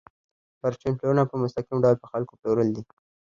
پرچون پلورنه په مستقیم ډول په خلکو پلورل دي